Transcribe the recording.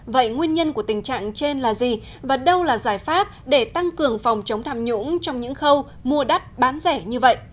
vậy nguyên nhân của tình trạng trên là gì và đâu là giải pháp để tăng cường phòng chống tham nhũng trong những khâu mua đắt bán rẻ như vậy